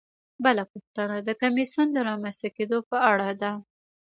بله پوښتنه د کمیسیون د رامنځته کیدو په اړه ده.